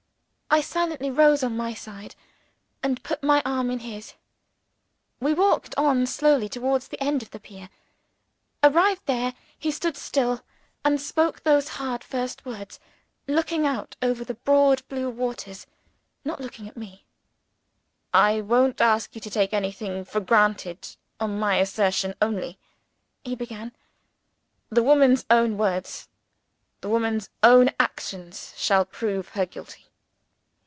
I silently rose on my side, and put my arm in his. We walked on slowly towards the end of the pier. Arrived there, he stood still, and spoke those hard first words looking out over the broad blue waters: not looking at me. "I won't ask you to take anything for granted, on my assertion only," he began. "The woman's own words, the woman's own actions, shall prove her guilty."